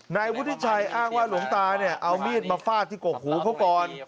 นายวุฒิชัยอ้างว่าหลวงตาเนี่ยเอามีดมาฟาดที่กกหูเขาก่อน